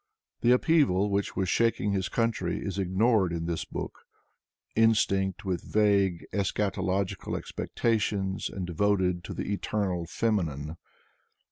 The upheaval which was shaking his country is ignored in this book, instinct with vague eschatological expectations and de voted to the Eternal Feminine.